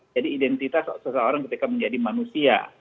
jadi identitas seseorang ketika menjadi manusia